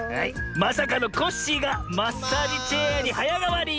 まさかのコッシーがマッサージチェアにはやがわり！